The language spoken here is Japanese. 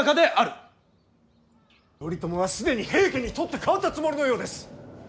頼朝は既に平家に取って代わったつもりのようです。